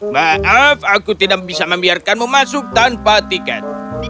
maaf aku tidak bisa membiarkanmu masuk tanpa tiket